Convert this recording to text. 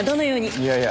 いやいや。